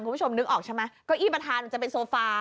คุณผู้ชมนึกออกใช่ไหมเก้าอี้ประธานมันจะเป็นโซฟา